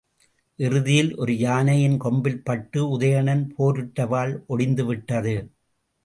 இறுதியில் ஒரு யானையின் கொம்பில் பட்டு உதயணன் போரிட்ட வாள் ஒடிந்துவிட்டது.